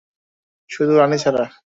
শুধু রানী ছাড়া।